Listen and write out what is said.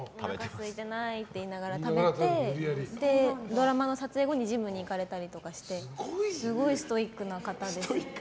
おなかすいてないって言いながら食べてで、ドラマの撮影後にジムに行かれたりとかしてすごいストイックな方です。